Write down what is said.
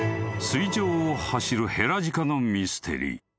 ［水上を走るヘラジカのミステリー］